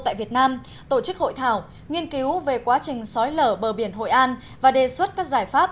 tại việt nam tổ chức hội thảo nghiên cứu về quá trình sói lở bờ biển hội an và đề xuất các giải pháp